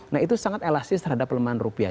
nah itu sangat elastis terhadap pelemahan rupiah